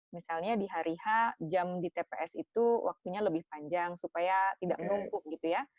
misalnya di hari h jam di tps itu waktunya lebih panjang supaya tidak menumpuk gitu ya